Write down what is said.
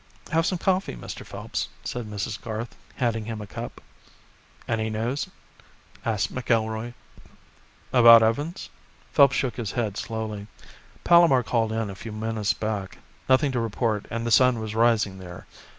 "Have some coffee, Mr. Phelps," said Mrs. Garth, handing him a cup. "Any news?" asked McIlroy. "About Evans?" Phelps shook his head slowly. "Palomar called in a few minutes back. Nothing to report and the sun was rising there.